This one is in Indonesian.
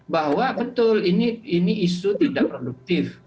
bahwa betul ini isu tidak produktif